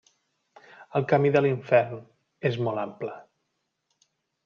El camí de l'infern és molt ample.